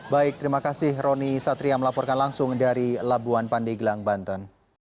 baik terima kasih roni satria melaporkan langsung dari labuan pandeglang banten